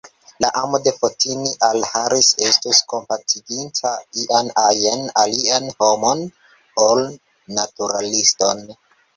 La amo de Fotini al Harris estus kompatiginta ian ajn alian homon, ol naturaliston.